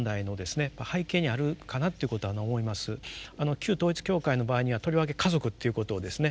旧統一教会の場合にはとりわけ家族ということをですね